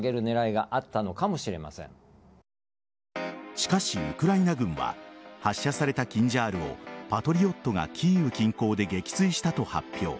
しかし、ウクライナ軍は発射されたキンジャールをパトリオットがキーウ近郊で撃墜したと発表。